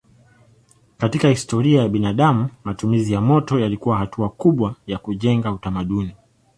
Katika historia ya binadamu matumizi ya moto yalikuwa hatua kubwa ya kujenga utamaduni.